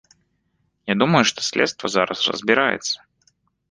Я думаю, што следства зараз разбіраецца.